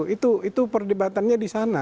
itu itu perdebatannya disana